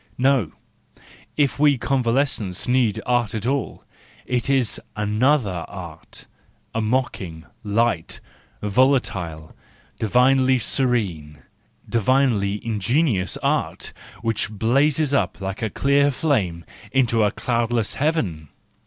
No, if we convalescents need an art at all, it is another art—a mocking, light, volatile, divinely serene, PREFACE TO THE SECOND EDITION 9 divinely ingenious art, which blazes up like a clear flame, into a cloudless heaven!